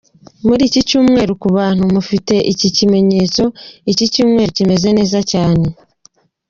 Muri iki cyumweru: ku bantu mufite iki kimenyetso, iki cyumweru kimeze neza cyane.